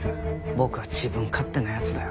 僕は自分勝手な奴だよ。